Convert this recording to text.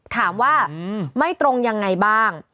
ถามว่าไม่ตรงยังไงบ้าง